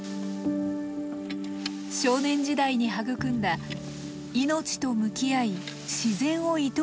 少年時代に育んだ命と向き合い自然をいとおしむ感性。